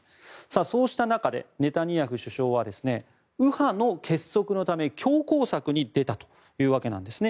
そうした中で、ネタニヤフ首相は右派の結束のため強硬策に出たというわけなんですね。